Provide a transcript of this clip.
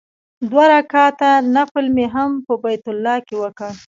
دوه رکعاته نفل مې هم په بیت الله کې وکړ.